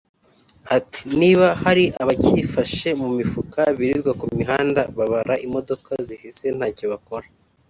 Ati “Niba hari abacyifashe mu mifuka birirwa ku mihanda babara imodoka zihise ntacyo bakora